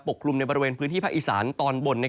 กลุ่มในบริเวณพื้นที่ภาคอีสานตอนบน